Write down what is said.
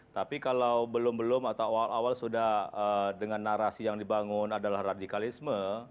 tapi kalau belum belum atau awal awal sudah dengan narasi yang dibangun adalah radikalisme